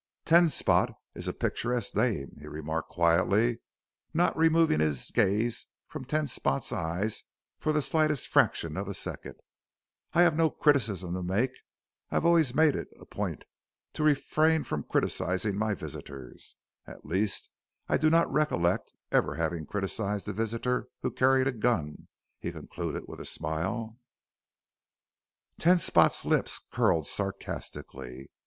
"'Ten Spot' is a picturesque name," he remarked quietly, not removing his gaze from Ten Spot's eyes for the slightest fraction of a second; "I have no criticism to make. I have always made it a point to refrain from criticizing my visitors. At least I do not recollect ever having criticized a visitor who carried a gun," he concluded with a smile. Ten Spot's lips curled sarcastically.